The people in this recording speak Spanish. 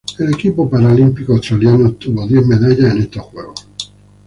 El equipo paralímpico australiano obtuvo diez medallas en estos Juegos.